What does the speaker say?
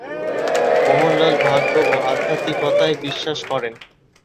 মোহনলাল ভাগ্য ও আধ্যাত্মিকতায় বিশ্বাস করেন।